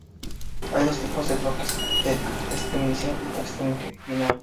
Hay dos tipos de estos bloques: de testeo inicial y testeo final.